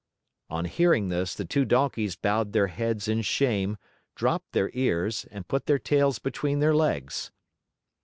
On hearing this, the two Donkeys bowed their heads in shame, dropped their ears, and put their tails between their legs.